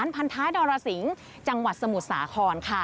หมอไก่พาทุกท่านมาที่ศาลพันธาดรสิงห์จังหวัดสมุทรสาครค่ะ